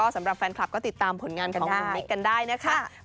สำหรับแฟนคลับก็ติดตามผลงานของหนุ่มมิ๊กกันได้นะคะ